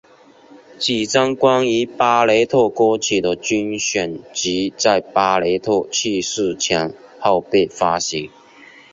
几张关于巴雷特歌曲的精选集在巴雷特去世前后被发行。